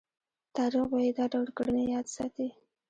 تاریخ به یې دا ډول کړنې یاد ساتي.